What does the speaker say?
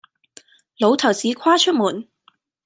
老頭子跨出門，